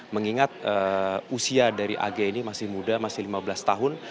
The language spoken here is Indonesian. mengingat usia dari ag ini masih muda masih lima belas tahun